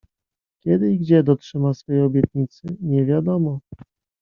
Kiedy i gdzie dotrzyma swej obietnicy… nie wiadomo.